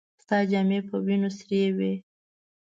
ستا جامې په وينو سرې وې.